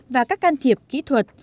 và các can thiệp kỹ thuật